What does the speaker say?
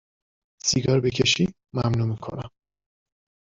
سیگار بکشی ممنوع میکنم